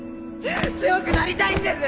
強くなりたいんです！